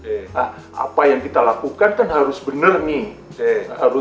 nah apa yang kita lakukan kan harus benar nih